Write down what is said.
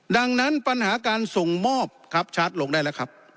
ดังนั้นปัญหาการส่งมอบครับชาร์จลงได้แล้วครับ